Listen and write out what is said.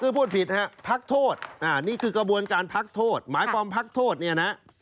คือพูดผิดฮะพักโทษนี่คือกระบวนการพักโทษหมายความพักโทษเนี่ยนะ